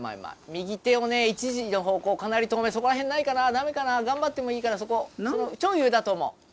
右手を１時の方向、かなり遠目、そこら辺ないかな、頑張ってもいいから、ちょい上だと思う